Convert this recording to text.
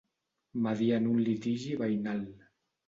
Mediar en un litigi veïnal.